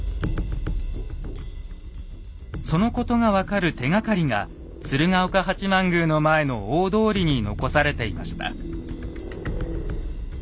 そのことが分かる手がかりが鶴岡八幡宮の前の大通りに残されていました。